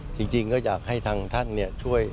จริงก็อยากให้ทางท่านช่วย